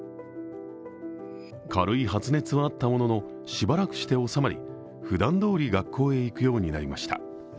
軽い発熱はあったものの、しばらくすると収まりふだんどおり学校へ行くようになりました。